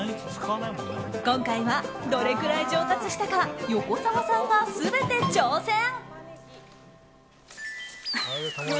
今回は、どれくらい上達したか横澤さんが全て挑戦。